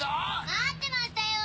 待ってましたよ。